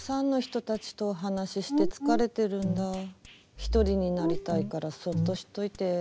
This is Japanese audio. ひとりになりたいからそっとしといて。